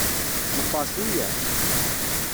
Meqqer cweyya?